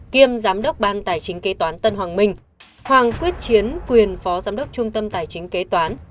kiêm giám đốc ban tài chính kế toán tân hoàng minh hoàng quyết chiến quyền phó giám đốc trung tâm tài chính kế toán